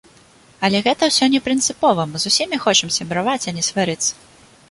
Але гэта ўсё не прынцыпова, мы з усімі хочам сябраваць, а не сварыцца.